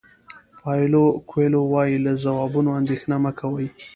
پاویلو کویلو وایي له ځوابونو اندېښنه مه کوئ.